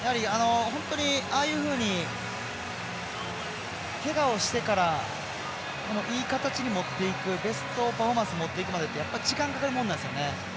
本当にああいうふうにけがをしてからいい形に持っていくベストパフォーマンスにもっていくまでって時間がかかるものなんです。